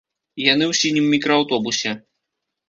Яны ў сінім мікрааўтобусе.